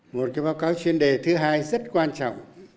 một cái báo cáo chuyên đề thứ hai rất quan trọng